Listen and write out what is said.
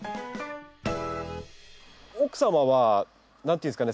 奥様は何て言うんですかね